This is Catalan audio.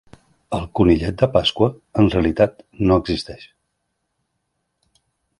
El Conillet de Pasqua en realitat no existeix.